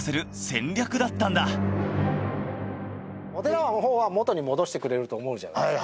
お寺の方は元に戻してくれると思うじゃないですか。